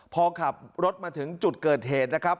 พอขับรถมาถึงจุดเกิดเหตุนะครับ